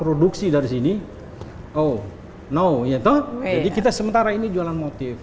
oh no jadi kita sementara ini jualan motif